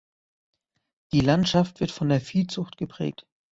Die Landschaft wird von der Viehzucht geprägt.